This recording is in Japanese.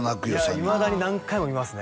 いまだに何回も見ますね